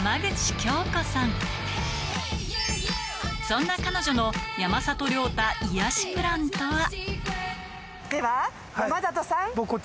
そんな彼女の山里亮太癒しプランとは？